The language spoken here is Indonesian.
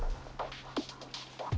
gue bakalan ditangkep